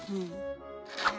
あ。